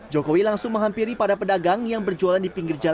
jokowi langsung menghampiri para pedagang yang berjualan di pinggir jalan